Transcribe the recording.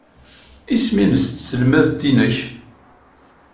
Isem-nnes tselmadt-nnek?